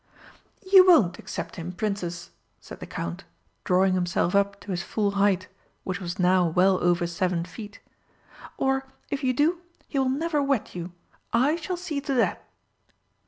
"You won't accept him, Princess," said the Count, drawing himself up to his full height, which was now well over seven feet. "Or, if you do, he will never wed you. I shall see to that!"